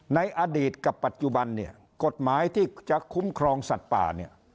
ในอดีตกับปัจจุบันกฎหมายที่จะคุ้มครองสัตว์ป่า